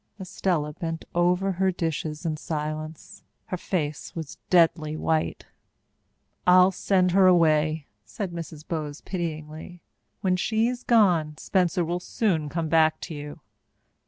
Estella bent over her dishes in silence. Her face was deadly white. "I'll send her away," said Mrs. Bowes pityingly. "When she's gone, Spencer will soon come back to you."